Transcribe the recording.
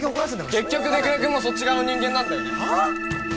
結局出久根君もそっち側の人間なんだよね